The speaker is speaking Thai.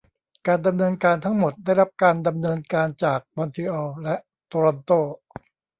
การดำเนินการทั้งหมดได้รับการดำเนินการจากมอนทรีออลและโตรอนโต